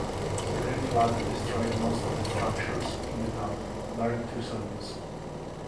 The great flood destroyed most of the structures in the town, barring two saloons.